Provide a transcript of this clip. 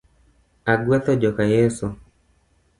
Agwetho joka Yeso.